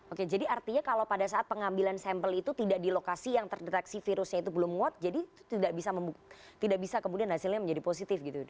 oke jadi artinya kalau pada saat pengambilan sampel itu tidak di lokasi yang terdeteksi virusnya itu belum muat jadi itu tidak bisa kemudian hasilnya menjadi positif gitu